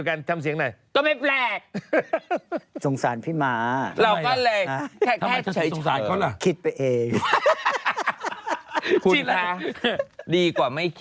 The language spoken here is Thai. เขาบอกว่าโอ้โฮ